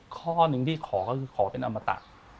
ข้อหนึ่งที่ขอก็คือขอเป็นอมตะ